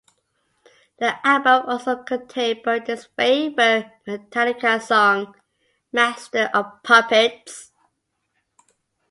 The album also contained Burton's favorite Metallica song "Master of Puppets".